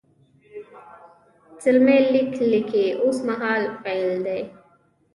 زلمی لیک لیکي اوس مهال فعل دی.